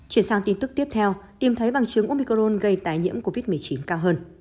chuyển sang tin tức tiếp theo tìm thấy bằng chứng omicron gây tái nhiễm covid một mươi chín cao hơn